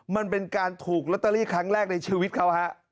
มันเป็นการถูกลอตเตอรี่ครั้งแรกในชีวิตเขาฮะ